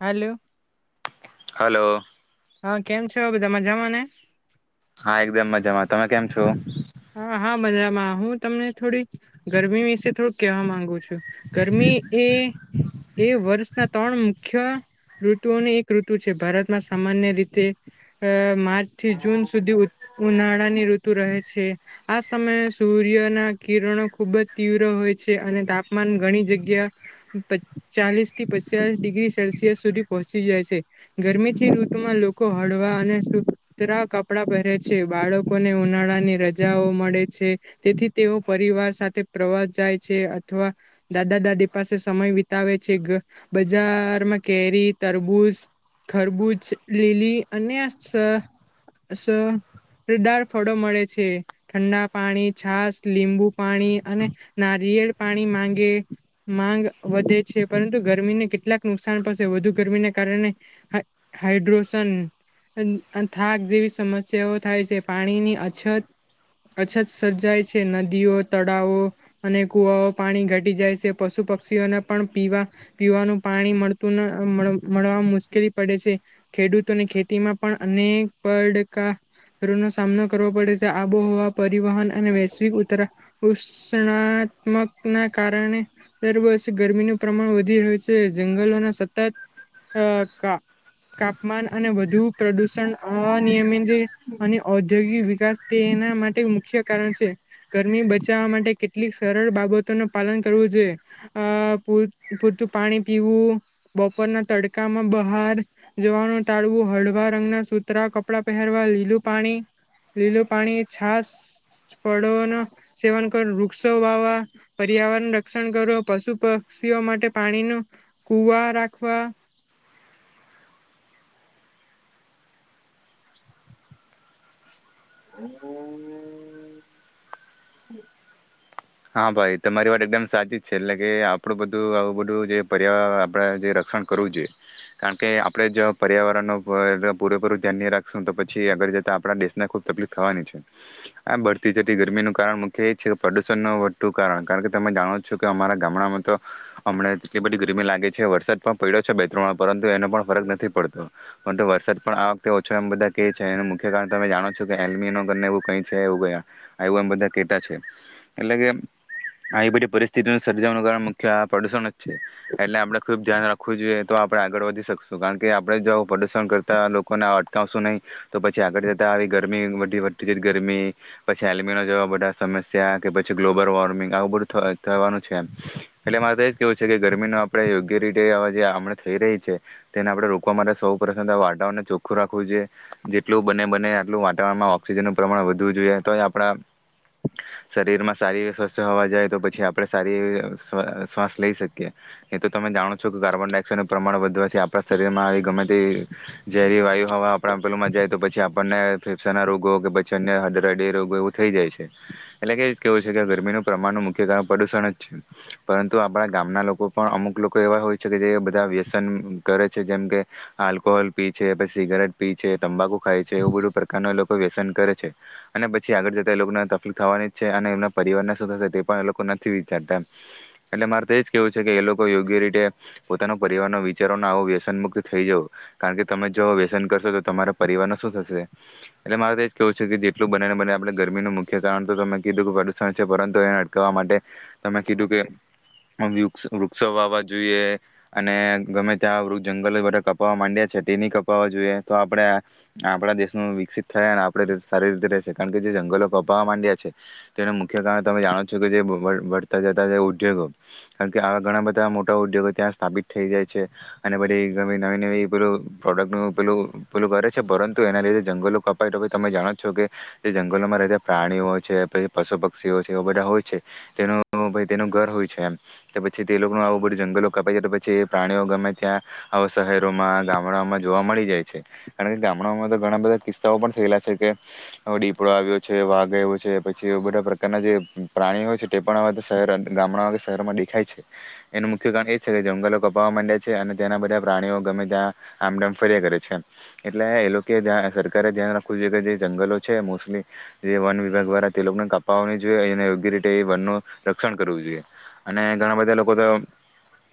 હાલો. Hello. હા કેમ છે બધા મજામાંને? હા એકદમ મજામાં તમે કેમ છો? હા હા મજામાં હું તમને થોડીક ગરમી વિશે થોડુંક કહેવા માંગુ છું ગરમી એ એ વર્ષના ત્રણ મુખ્ય ઋતુઓની એક ઋતુ છે ભારતમાં સામાન્ય રીતે માર્ચ થી જૂન સુધી ઉનાળા ની ઋતુ રહે છે. આ સમયે સૂર્યના કિરણો ખુબ જ તીવ્ર હોય છે અને તાપમાન ઘણી જગ્યા પ ચાલીસ થી પચ ડિગ્રી સેલ્સિયસ સુધી પહોંચી જાય છે ગરમીથી લોકો હળવા અને સુતરા કપડા પહેરે છે બાળકોને ઉનાળા ની ર જા મળે છે તેથી તેઓ પરિવાર સાથે પ્રવાસ જાય છે અથવા દાદા દાદી આપ પાસે સમય વિતાવે છે બજારમાં કેરી તરબૂજ ખરબૂજ લીલી અને સ સ ડાર ફળો મળે છે. ઠંડા પાણી છાસ લીંબુ પાણી અને નારિયેળ પાણી માંગે માંગ વધે છે પરંતુ ગરમીને કેટલાક નુકસાન પડશે વધુ ગરમીને કારણે હાડ્રોશન થાક જેવી સમસ્યાઓ થાય છે પાણીની અછત અછત સર્જાય છે નદીઓ તળાવો અને કુવાઓ પાણી ઘટી જાય છે પશુ પક્ષીઓને પણ પીવા પીવાનું પાણી મળતું મળવા મુશ્કેલી પડે છે. ખેડૂતોને ખેતીમાં પણ અનેક પડ કા ર નો સામનો કરવો પડે છે. આબોહવા પરિવહન અને વૈશ્વિક ઉતરા ઉષ્ણાત્મક ના કારણે ત્યબછી ગરમીનું પ્રમાણ વધી રહ્યું છે જંગલોના સતત અ કા તાપમાન અને વધુ પ્રદુષણ અનિયમિત અને ઔદ્યોગિક વિકાસ તે એના માટે મુખ્ય કારણ છે ગરમી બચાવવા માટે કેટલીક સરળ બાબતોનું પાલન કરવું પૂરતું પાણી પીવું બપોરના તડકામાં બહાર જવાનું ટાળવું હળવા રંગના સૂતરા કપડાં પહેરવા લીલું પાણી લીલું પાણી છાસ ફળો સેવન કરો વૃક્ષો વાવા પર્યાવરણ રક્ષણ કરો પશુ પ પક્ષીઓ માટે પાણી નુ કુવા રાખવા હમ હા ભાઈ તમારી વાત એકદમ સાચી જ છે એટલે કે આપણું બધું આવું બધું જે પર્યાવરણ આપડા જે ક્ષણ કરવું જોઈએ કારણ કે આપણેે જો પર્યાવરણ પૂરેપૂરું ધ્યાન રાખશું તો પછી એ રીતે આપડા દેશને ખૂબ તકલીફ થવાની છે. આમ બઢતી જતી ગરમીનું કારન મુખ્ય નો વધતું કારણ કારણ કે તમે જાણો છો કે અમારા ગામડામાં તો હમને એટલી બધી ગરમી લાગે છે સટમાં પડ્યો છે બે ત્રણ પરંતુ એનો પણ ફરક નથી પડતો. પણતું વરસાદ પણ આ વખતે ઓછો એમ બધા કે છે એનું મુખ્ય કારણ તમે જાણો છો કે એલમીનોને એવું કઈ છે એવુંયા આવું એમ બધા કેટા છે એટલે કે આ બધી પરિસ્થિતિ સર્જવાનું કાર મુખ્ય પ્રદુષણ જ છે એટલે આપડે ખુબ ધ્યાન રાખવું જોઈએ તો આપણે આગળ વધી શકશું કારણ કે આપણેે જો પ્રદુષણ કરતા લોકોને અટકાવશું નહીં તો પછી આગળ જતા ગરમી બી વધતી જ ગરમી પછી હેલ્મી ન જોવા બધા સમસ્યા કે પછી ગ્લોબલ વોર્મિંગ આવું બધું થ થવાનું છે એટલે મારે તો એજ કેવું છે કે ગરમીનું આપણે યોગ્ય રીતે જે આ હમને આ થઈ રહી છે તેને આપડણે રોકવા માટે સૌ પ્રથમ વાટવરણને ચોખ્ખું રાખવું જોઈએ જેટલું બને બને આટલું વાતાવરણમાં ઓક્સિજનનું પ્રમાણ વધવું જોઈએ તો આપડા [unintelligible] શરીર માં સારી એવી સ્વસ્થ હોવા જાય તો પછી આપડણે સારી એવી શ્વાસ લઈ શકીએ. એ તો તમે જાણ છું કે કાર્બન ડાયોક્સાઇડ નું પ્રમાણ વધવાથી આપણા શરીર આવી ગમે તે ઝેરી વાયુ હવા આપણા માં જાય તો પછી આપણને ફેફસા ના રોગો કે પછી અન્ય હડ રોગો એવું થઈ જાય છે. એટલે કે જ કેવું છે કે ગરમીનું પ્રમાણનું મુ ખ્ય પ્રદુષણ જ છે પરંતુ આપણા ગામના લોકો પણ અમુક લોકો એવા હોય છે કે જે વ્યસન કરે છે. જેમ કે આલ્કોહોલ પી છે, પછી સિગરેટ પી છે, તંબકુ ખાય છે એવું બધું પ્રકાર ના લોગ વ્યસન કરે છે અને પછી આગળ જતા એ લોકોને તકલીફ થવાની છે અને એમના પરિવારને શું થશે તે પણ એ લોકો નથી વિચારતાએમ એટલે મારે તોજ કેવું છે કે એ લોકો યોગ્ય રીતે પોતાનો પરિવારના વિચારો આવો વ્યસન મુક્ત થઈ જવું કારણ કે તમે જો વ્યસન કરશો તો તમારા પરિવાર નુ શું થશે એટલે મારે કેવું છે કે જેટલું બને ને બને આપણે ગરમીનું મુખ્ય કારણ તો તમે કીધું કે પ્રદુષણ છે પરંતુ એને અટકાવવા માટે તમે કીધું કે વ વૃક્ષો વાવા જોઈએ અને ગમે ત્યાં વૃક્ષ જંગલ બા કપાવવા માંડ્યા છે તે ની કપાવવા જોઈએ તો આપડે આપણા દેશનું વિકસિત થયા અને આપડે સારી રીતે રહેશે કારણ કે જે જંગલો કપાવવા માંડ્યા છે તેના મુખ્ય કારણે તમે જાણો છો કે જે વળતા જતા ઉદ્યોગો કારણ કે આવા ઘણા બધા મોટા ઉદ્યોગો ત્યાં સ્થાપિત થઈ જાય છે અને બધી નવી નવી પેલું પ્રોડક્ટ નું પેલું પેલું કરે છે પરંતુ એના લીધે જંગલો કપાય તો તમે જાણો છો કે જે જંગલોમાં રહે તે પ્રાણીઓ છે તો પશુ પક્ષીઓ છે એ બધા હોય છે તેનું તેનું ઘર હોય છે એમ પછી તે લોકોનું આવું બધું જંગલો કપાઈ જાય તો પછી પ્રાણીઓ ગમે ત્યાં આવ શહેરોમાં ગામડામાં જોવા મળી જાય છે. કારણ કે ગામડાઓમાં તો ઘણા બધા કિસ્સાઓ પણ થયેલા છે કે દીપડો આવ્યો છે, વાઘ આવ્યો છે પછી એ બધા પ્રકારના જે પ્રાણીઓ હોય છે તે પણ હવે ગામડા કે શહેરમાં દેખાય છે. મુખ્ય કારણ એ છે કે જંગલો કપાવવા માંડે છે અને તેના બધા પ્રાણીઓ ગમે ત્યાં આમડમ ફર્યા કરે છે એમ. એટલે એ લોકો જ્યા સરકારે જ્યાં રાખ જગ્યા જે જંગલો છે મોસ્ટલી જે વન વિભાગ દ્વારા તે લોકોને કાપાવવાની જોઈએ એ યોગ્ય રીતે એ વનનું રક્ષણ કરવું જોઈએ. અને ઘણા બધા લોકો તો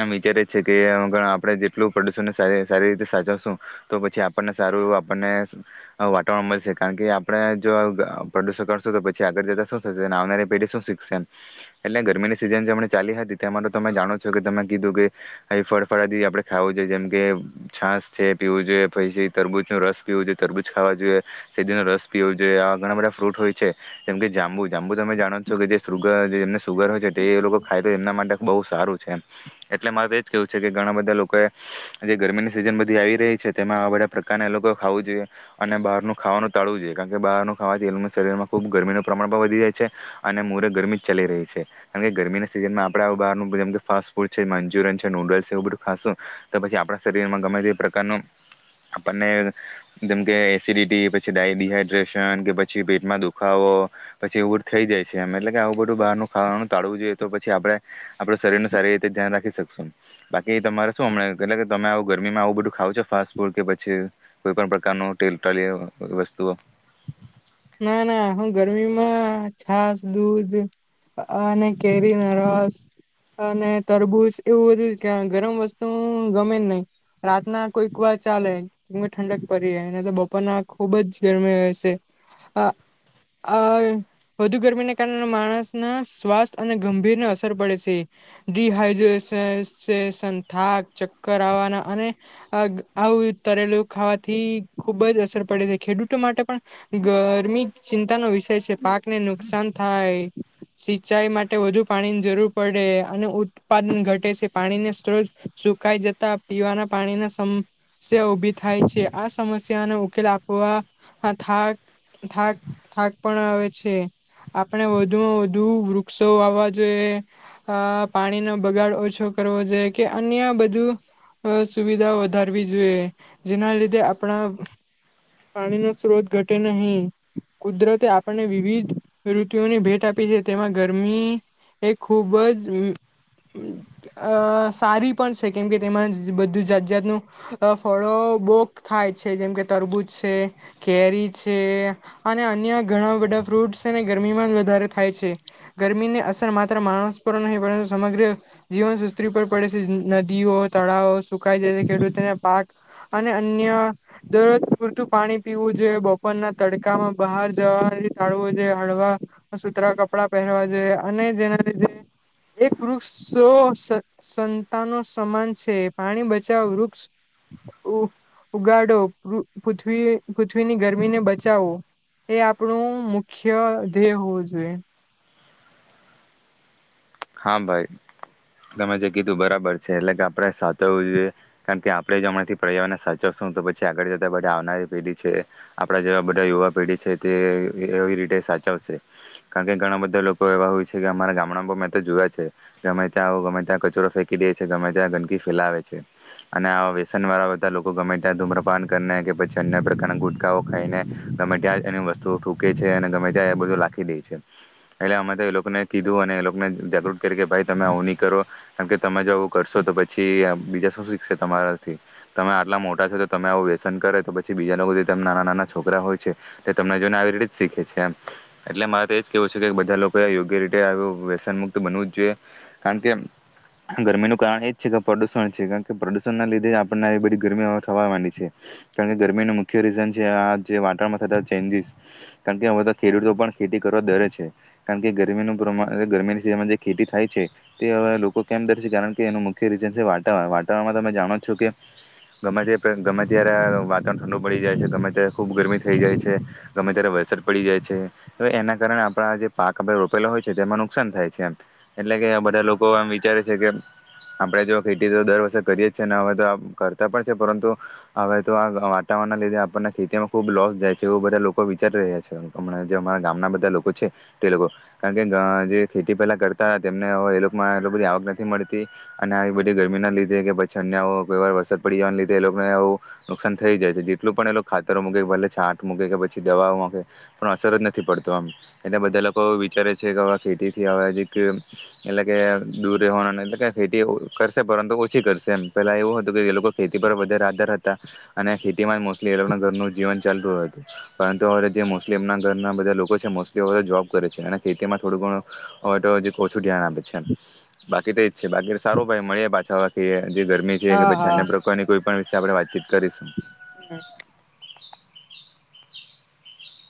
આમ વિચારે છે કે આપણે જેટલું પ્રદૂષણને સારી રીતે સાચવશું તો પછી આપણને આપણને વાતાવરણ મળશે કારણ કે આપણે જો પ્રદૂષણ કરશું તો આગડ જતા શું થશે ને આવનારી પેઢી શું શીખશે એટલે ગરમીની સીઝનમ ચાલી હતી તમે જાણો કે તમે કીધું કે અ ફળફળાથી આપડે ખાવું જોઈએ જેમ કે છાસ છે પીવું જોઈએ પ જે તરબૂજ ન રસ પીવો જોઈએ, તરબૂજ ખાવા જોઈએ, સેરડી ન રસ પીવો જોઈએ આ ઘણા બધા ફ્રૂટ હોય છે. જેમ કે જાંબુ જાંબુ તમે જાણો છો કે જે સુગર જેમને સુગર હોય છે તે એ લોકો ખાય તો એમના માટે બહ સારું છે એમ. એટલે મારેજ કેવું છે કે ઘણા બધા લોકો જે ગરમીની સિઝન બધી આવી રહી છે તે માં બધા પ્રકાર એ લોકો ખાવું જોઈએ અને બહારનું ખાવાનું ટાળવું જોઈએ. કારણ કે બહારનું ખાવાથી એ લોકોને શરીર માં ખૂબ ગરમીનું પ્રમાણ પણ વધી જાય છે અને મોરે ગરમી જ ચાલી રહી છે. કારણ કે ગરમીના સિઝનમાં આપણે આ બહારનું જેમ કે ફાસ્ટ ફૂડ છે, મંચુરિયન છે, નૂડલ્સ છે, એવું બધું ખાસું તો પછી આપણા શરીરમાં ગમે તે પ્રકારનું. આપણને જેમ કે એસિડિટી પછી, ડાયડીહાઈડ્રેશન કે પછી પેટમાં દુઃખ દુખાવો એવું થઈ જાય છે. એમ એટલે કે આવું બધું બહારનું ખાવાનું ટાળવું જોઈએ‌. તો પછી આપડે આપડું શરીર નું સારી રીતે ધ્યાન રાખી શકીશું. બાકી તમારે શું? હમ એટલે કે તમે આવું ગરમીમાં આવું બધું ખાવું છે, ફાસ્ટ ફૂડ કે પછી કોઈ પણ પ્રકારનું તેલુ તરેલુ વસ્તુઓ ના, ના. હું ગરમીમાં છાસ, દૂધ હ, અને કેરી ના રસ. અને તરબૂઝ એવું બધું કે ગરમ વસ્તુ ગમે નહીં. રાતના કોઈક વાર ચાલે કે ઠંડક પડી, એ તો બપોરના ખુબ જ ગરમી હોય છે. [unintelligible] અ વધુ ગરમીને કારણે માણસના સ્વાસ્થ્ય અને ગંભીરને અસર પડે છે. ડિહાઈડ્રેશન થાક, ચક્કર આવવાના અને તરેલું ખાવાથી ખુબ જ અસર પડે છે. ખેડૂતો માટે પણ. ગરમી ચિંતા નો વિષય છે. પાકને નુકસાન થાય. સિંચાઈ માટે વધુ પાણીની જરૂર પડે અને ઉત્પાદન ઘટે છે પાણી ને સ્ત્રોત સુુકાઈ જતા, પીવાના પાણીની સમસ્યા ઉભી થાય છે. આ સમસ્યાનો ઉકેલ આપણે અ આ થાક થાક થાક પણ આવે છે. આપણે વધુમાં વધુ વૃક્ષો આવવા જોઈએ. પાણી નો બગાડ ઓછો કરવો જોઈએ કે અન્ય બધું. અ સુવિધા વધારવી જોઈએ, જેના લીધે આપણા પાણી ન સ્ત્રોત ઘટે નહીં. કુદરતે આપણને વિવિધ ઋતુઓની ભેટ આપી છે. તેમાં ગરમી એ ખૂબ જ અ સારી પણ છે, કેમ કે તેમાં બધું જાત જાતનું ફળો બોક થાય છે, જેમ કે તરબૂજ છે કેરી. છે અને અન્ય ઘણા બધા ફ્રૂટને ગરમી માં વધારે થાય છે. ગરમીને માત્ર માણસ પર નહીં, પરંતુ સમગ્ર જીવસૃષ્ટિ પર પડે છે. નદીઓ, તળાવો ખેડૂતોને પાક અને અન્ય દરજ પૂરતું પાણી પીવું જોઈએ ઉપરના તડકામાં બહાર જવાથી ટાળવો જોઈએ, હળવા સુતરા કપડા પહેરવા જોઈએ અને અને જેના થી જે એક વૃક્ષો સંતાનો સમાન છે. પાણી બચાવ, વૃક્ષ ઉગાડો, પૃથ્વી પૃથ્વીની ગરમી. ગરમીને બચાવો એ આપણું મુખ્ય ધ્યેય હોવું જોઈએ. હા, ભાઈ. તમે જે કીધું બરાબર છે. એટલે કે આપડે સાચવવું જોઈએ, કારણ કે આપડે જ હમણાંથી પર્યાવરને સાચો તો પછી આગળ જતા બધા આવનારી પેઢી છે, આપડા જેવા બધા યુવા પેઢી છે, તે એવી રીતે સાચવશે. કારણ કે ઘણા બધા લોકો એવા હોય છે કે અમારા ગામડામાં જોયા છે. ગમે ત્યાં ગમે ત્યાં કચોરો ફેંકી દે છે, ગમે ત્યાં ગંદકી ફેલાવે છે અને વ્યસન વાળા આવતા લોકો ગમે ત્યાં ધૂમ્રપાન કરીને કે પછી અન્ય પ્રકારના ગુટકાઓ ખાઈને ગમે ત્યા વસ્તુૂ છે. અને ગમે ત્યા બધું લખી દે છે. એટલે અમે તો એ લોકોને કીધું, અને જાગૃત કરે કે, ભાઈ, તમે આવું નહીં કરો. કારણ કે તમે જો આવું કરશો, તો પછી બીજા શું શીખશે? તમે આટલા મોટા છો, તો તમે આવું વ્યસન કરે, તો પછી બીજા લોકો, નાના-નાના છોકરા હોય છે. તમને જોને આવી રીતે જ શીખે છે એમ. એટલે મારે તો એજ કેવું છે કે, બધા લોકો યોગ્ય રીતે. મુકત બનવું જ જોઈએ. કારણ કે. ગરમીનું કારણ એ જ છે કે પ્રદુષણ છે. કારણ કે પ્રદુષણ ના લીધે આપણને આવી બધી ગરમીઓ થવા માંડી છે. કારણ કે ગરમીનું મુખ્ય રીઝન છે આ જે વાતાવરણમાં થતા ચેન્જીસ‌. કારણ કે હવે તો ખેડૂતો પણ ખેતી કરવા તૈયાર છે. કારણ કે ગરમીનું પ્રમાણ ગરમી જે ખેતી થાય છે, તે હવે લોકો કેમ કરશે? કારણ કે એનું મુખ્ય રીઝન છે. વાતાવરણ વાતાવરમાં, તમે જાણો કેમ? ગમે ત ગમે ત્યારે વાતાવરણ ઠંડુ પડી જાય છે ગમે ત્યારે ખુબ ગરમી થઇ જાય છે ગમે ત્યારે અર પડી જાય છે તો એના કારણે આપણા જે પાક આપણે રોપેલા હોય છે તેમાં નુકસાન થાય છે. એટલે કે બધા લોકો એમ વિચારે છે કે આપડે તો ખેતી તો દર વર્ષે કરીએ જ છે ને હવે તો કરતા પણ છે પરંતુ હવે તો આ વાટા ના લીધે આપણને ખેતીમાં ખુબ લોસ જાય છે એવું બધા લોકો વિચારી રહ્યા છે જે અમારા ગામના બધા લોકો છે. તે લોકોકો કારણ કે ગ જે ખેતી પેલા કરતા તેમને એમાં બધી આવક નથી મળતી અને આવી બધી ગરમી ના લીધે કેં ર વરસાદ પડી જવા લીધે એ લોકોનેું નુકસાન થઈ જાય છે જેટલું પણ એ લોકો ખાતર મૂકી ભલે છાંટૂ પછી દવા પણ અસર જ નથી પડતો આમ એટલે બધા લોકો એ વિચારે છે કે ખેતી થી હવેજી એટલે કે દૂર રહેવાના એટલે કે ખેતી કરશે પરંતુ ઓછી કરશે એમ પેલા એવું હતું કે એ લોકો ખેતી પર વધારે રાધાર હતા અને ખેતી માં મોસ્ટલી એ લોકો ઘરનું જીવન ચાલતું હતું. પરંતુ હ જેલી એમના ઘરના બધા લોકો છે મોસ્ટલી જોબ કરે છે અને ખેતીમાં થોડું ઘણું હવે તો હજી ઓછું ધ્યાન આપે છે બાકી તો એજ છે બાકી સારું ભાઈ મળી પાછા વા કે જે ગરમી છે કે હા પછી હા અન્ય પ્રકારની કોઈ પણ વિશે આપણે વાતચીત કરીશું [unintelligible] હમ